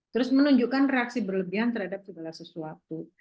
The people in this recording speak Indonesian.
terus menunjukkan reaksi berlebihan terhadap segala sesuatu